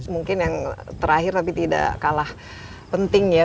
mungkin yang terakhir tapi tidak kalah penting ya